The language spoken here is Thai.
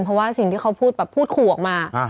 เพราะว่าสิ่งที่เขาพูดแบบพูดขู่ออกมา